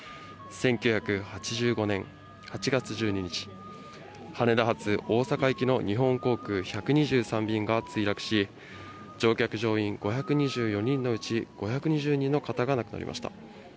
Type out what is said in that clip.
１９８５年８月１２日、羽田発大阪行きの日本航空１２３便が墜落し、乗客・乗員５２４人のうち５２０人の方が亡くなりました。